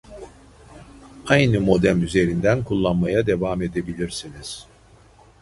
Aynı modem üzerinden kullanmaya devam edebilirsiniz